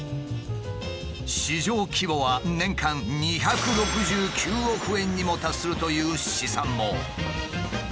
市場規模は年間２６９億円にも達するという試算も。